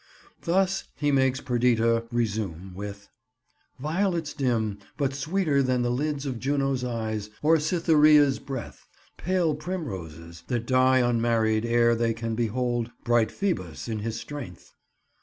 Thus, he makes Perdita resume, with— "Violets dim, But sweeter than the lids of Juno's eyes Or Cytherea's breath; pale primroses That die unmarried ere they can behold Bright Phœbus in his strength."